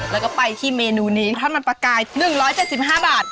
แล้วก็ไปที่เมนูนี้ทอดมันปลากาย๑๗๕บาท